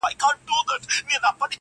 چاته وايی نابغه د دې جهان یې!.